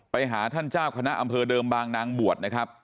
ไปหาท่านเจ้าคณะอำเภอเดิมบางนางบวชนะครับ